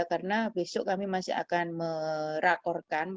karena besok kami masih akan merakorkan